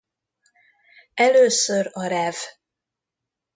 Először a Rev.